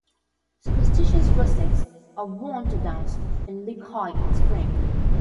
Superstitious rustics are wont to dance and leap high in spring.